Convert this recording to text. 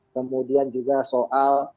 kemudian juga soal